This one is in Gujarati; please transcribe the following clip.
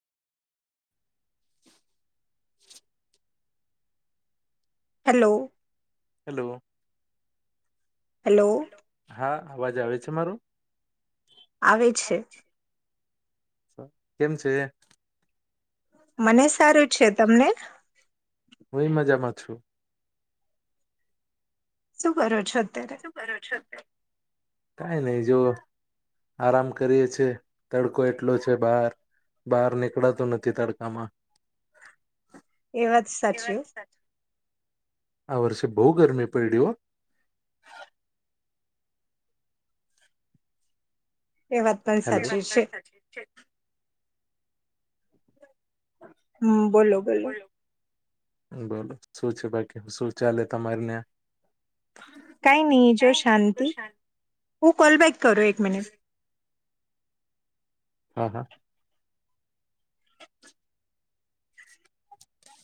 [inaudible] હેલો હેલો હેલો હા અવાજ આવે છે મારો? આવે છે. કેમ છે? મને સારું છે તમને? હું એ મજામાં છું. શું કરો છો અત્યારે? કાઈ નહી જો આરામ કરીએ છીએ તડકો એટલો છે બહાર બહાર નીકળાતું નથી તડકામાં એ વાત સાચી હો, આ વર્ષે બહ ગરમી પયડી હો? એ વાત પણ હેલો. સાચી છે હમ બોલો બોલો બોલો શું છે બાકી શું ચાલે તમારી વેબસાઈટમાં કઈ નહી જો શાંતિ હું કોલબેક કરો એક મિનિટ હા હા